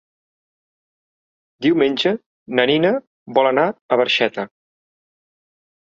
Diumenge na Nina vol anar a Barxeta.